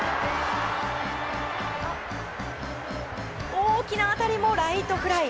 大きな当たりもライトフライ。